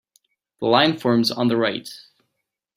The line forms on the right.